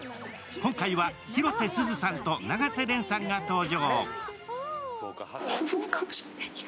今回は広瀬すずさんと永瀬廉さんが登場。